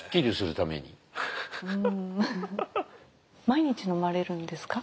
毎日飲まれるんですか？